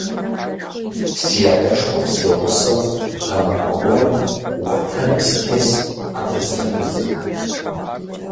Си адэшхуэм сригъусэу, гъэмахуэ гуэрым уэтэрым сытест Ӏэпыдзлъэпыдзу.